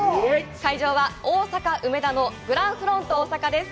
会場は大阪・梅田のグランフロント大阪です。